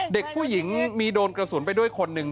เด็กผู้หญิงมีโดนกระสุนไปด้วยคนหนึ่ง